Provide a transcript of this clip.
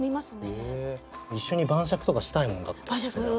一緒に晩酌とかしたいもんだってそりゃ。